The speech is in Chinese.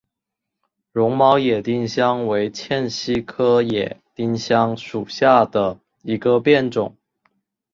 绒毛野丁香为茜草科野丁香属下的一个变种。